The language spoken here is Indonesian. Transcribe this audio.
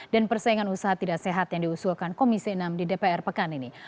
dan persaingan usaha tidak sehat yang diusulkan komisi enam di dpr pekan ini